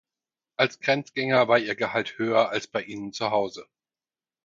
Als Grenzgänger war ihr Gehalt höher als bei ihnen zu Hause.